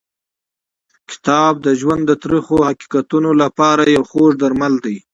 کتاب د ژوند د تریخو حقیقتونو لپاره یو خوږ درمل دی.